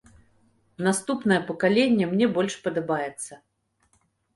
Наступнае пакаленне мне больш падабаецца.